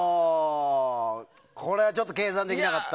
これはちょっと計算できなかった。